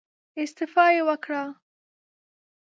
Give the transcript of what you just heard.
استعفا يې وکړه.